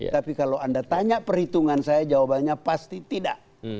tapi kalau anda tanya perhitungan saya jawabannya pasti tidak